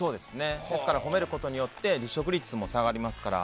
ですから、褒めることによって離職率も下がりますから。